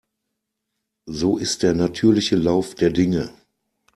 So ist der natürliche Lauf der Dinge.